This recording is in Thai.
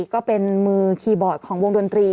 ก็เป็นมือคีย์บอร์ดของวงดนตรี